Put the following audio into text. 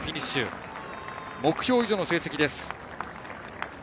目標以上の成績です。